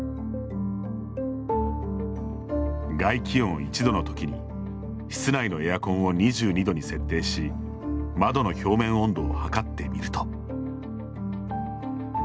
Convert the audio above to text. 外気温１度の時に室内のエアコンを２２度に設定し窓の表面温度を測ってみると。